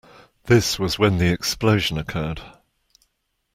This was when the explosion occurred.